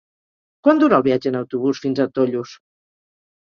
Quant dura el viatge en autobús fins a Tollos?